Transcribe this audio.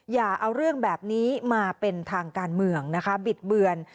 อย่าเอาเรื่องแบบนี้มาเป็นทางการเมืองนะคะบิดเบือน